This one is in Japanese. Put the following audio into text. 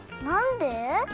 なんで？